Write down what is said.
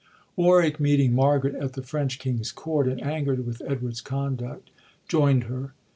Warwick, meeting Margaret at the French king's court, and angerd with Edward's conduct, joind her.